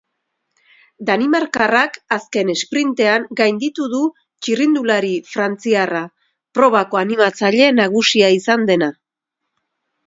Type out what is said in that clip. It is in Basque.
Danimarkarrak azken esprintean gainditu du txirrindulari frantziarra, probako animatzaile nagusia izan dena.